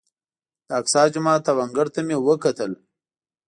د اقصی جومات او انګړ ته مې وکتلې.